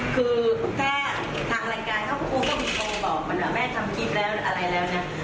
คือแค่ทางรายการถ้าครูก็มีคนบอกมันว่าแม่ทำคลิปแล้วอะไรแล้วเนี่ย